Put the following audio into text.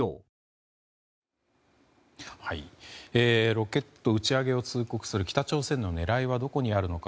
ロケット打ち上げを通告する北朝鮮の狙いはどこにあるのか。